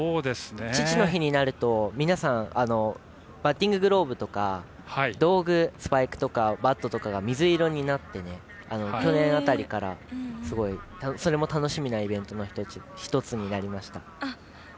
父の日になると皆さんバッティンググローブとか道具、スパイクとかバットとかが水色になって、去年辺りからすごい、それも楽しみなイベントの１つになりました。